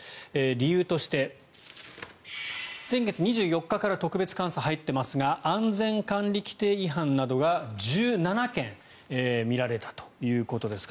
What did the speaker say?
理由として、先月２４日から特別監査が入っていますが安全管理規程違反などが１７件見られたということです。